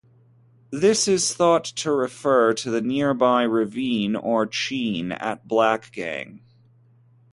This is thought to refer to the nearby ravine or chine at Blackgang.